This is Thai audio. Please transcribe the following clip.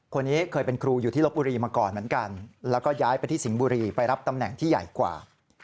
คนนี้เคยเป็นครูอยู่ที่ลบบุรีมาก่อนเหมือนกันแล้วก็ย้ายไปที่สิงห์บุรีไปรับตำแหน่งที่ใหญ่กว่า